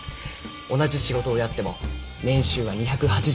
同じ仕事をやっても年収は２８０万円程度。